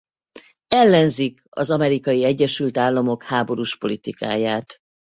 Ellenzik az Amerikai Egyesült Államok háborús politikáját.